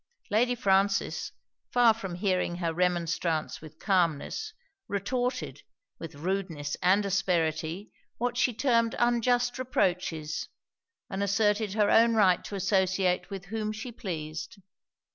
Lady Frances, far from hearing her remonstrance with calmness, retorted, with rudeness and asperity, what she termed unjust reproaches; and asserted her own right to associate with whom she pleased.